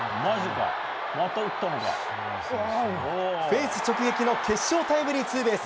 フェンス直撃の決勝タイムリーツーベース。